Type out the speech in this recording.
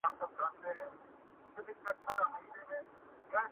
تر بچیو گوله نه سي رسولای!.